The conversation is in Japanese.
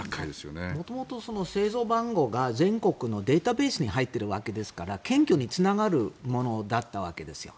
元々製造番号が全国のデータベースに入ってるから検挙につながるものだったわけですよ。